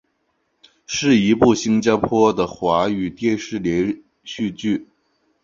是一部新加坡的的华语电视连续剧。